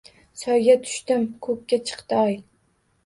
Soyga tushdim, ko’kda chiqdi oy